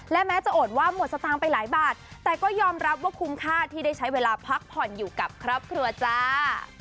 และแม้จะโอดว่าหมดสตางค์ไปหลายบาทแต่ก็ยอมรับว่าคุ้มค่าที่ได้ใช้เวลาพักผ่อนอยู่กับครอบครัวจ้า